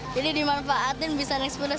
jadi dimanfaatin bisa ekspedisi